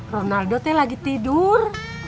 ronaldo teh lagi tidur